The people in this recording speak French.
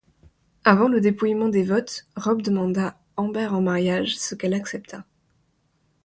Avant le dépouillement des votes, Rob demanda Amber en mariage, ce qu'elle accepta.